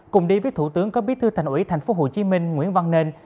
cùng đi với thủ tướng có biết thư thành ủy thành phố hồ chí minh nguyễn văn nên